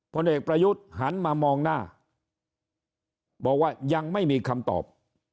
ผลเอกประยุทธ์หันมามองหน้าบอกว่ายังไม่มีคำตอบ